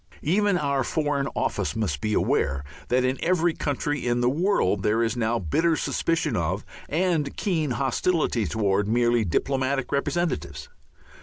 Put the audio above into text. Even our Foreign Office must be aware that in every country in the world there is now bitter suspicion of and keen hostility towards merely diplomatic representatives.